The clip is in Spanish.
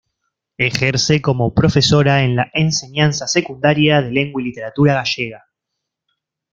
Ejerce como profesora en la enseñanza secundaria de Lengua y Literatura Gallega.